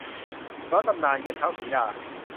ย้อนตำนาน กระเช้าสีดา